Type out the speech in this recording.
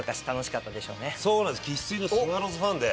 そうなんです。